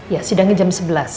ya sidangnya jam sebelas